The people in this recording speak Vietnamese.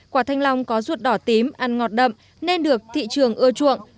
quả thanh long có ruột đỏ tím ăn ngọt đậm nên được thị trường ưa chuộng